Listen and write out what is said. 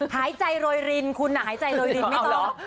หายใจโรยรินคุณหายใจโรยรินไม่ตลอด